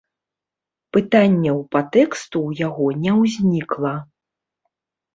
Пытанняў па тэксту ў яго не ўзнікла.